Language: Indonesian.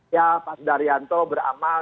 ya pak sdarianto beramal